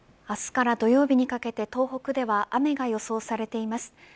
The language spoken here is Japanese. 明日から土曜日にかけて東北では雨が予想されています。